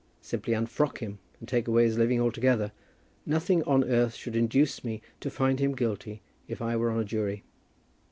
Simply unfrock him, and take away his living altogether. Nothing on earth should induce me to find him guilty if I were on a jury."